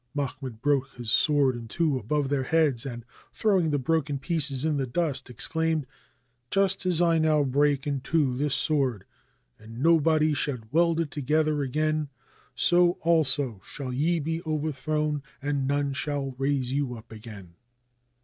Mahmoud broke his sword in two above their heads, and, throwing the broken pieces in the dust, exclaimed :— "Just as I now break in two this sword and nobody shall weld it together again, so also shall ye be over thrown and none shall raise you up again."